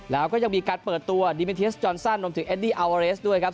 แล้วก็ยังมีการเปิดตัวดีเมนเทียสจอนซันรวมถึงเอดดี้อัวเรสด้วยครับ